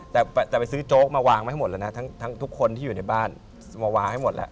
แต่จะไปซื้อโจ๊กมาวางไว้ให้หมดแล้วนะทั้งทุกคนที่อยู่ในบ้านมาวางให้หมดแล้ว